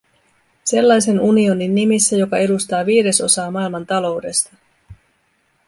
Sellaisen unionin nimissä, joka edustaa viidesosaa maailman taloudesta.